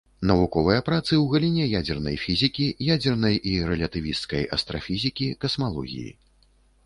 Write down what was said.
Навуковыя працы ў галіне ядзернай фізікі, ядзернай і рэлятывісцкай астрафізікі, касмалогіі.